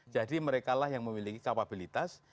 jadi merekalah yang memiliki kapabilitas